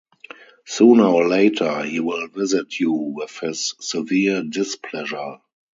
Sooner or later he will visit you with his severe displeasure.